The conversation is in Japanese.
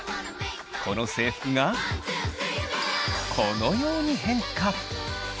この制服がこのように変化。